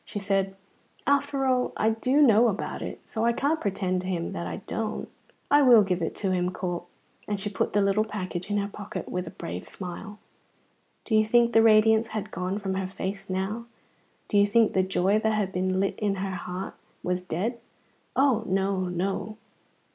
She said: "After all, I do know about it, so I can't pretend to him that I don't. I will give it to him, Corp"; and she put the little package in her pocket with a brave smile. Do you think the radiance had gone from her face now? Do you think the joy that had been lit in her heart was dead? Oh, no, no!